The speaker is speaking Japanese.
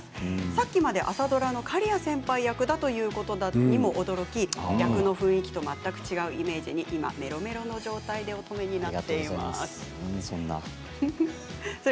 さっきまで朝ドラの刈谷先輩役だということにも驚き役の雰囲気と全く違うイメージにメロメロの状態で乙女になっていますということです。